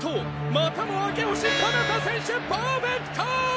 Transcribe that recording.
またも明星かなた選手パーフェクト！